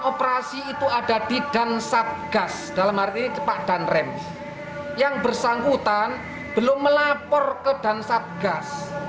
operasi itu ada di dansatgas dalam hari cepat dan rem yang bersangkutan belum melapor ke dansatgas